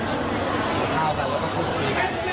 กินข้าวกันแล้วก็พูดคุยกัน